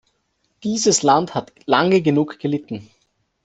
Dieses Land hat lange genug gelitten.